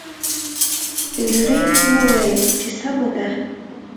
فلیریک وویل چې سمه ده.